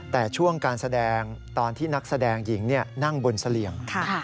แต่ช่วงการแสดงตอนที่นักแสดงหญิงนั่งบนเสลี่ยง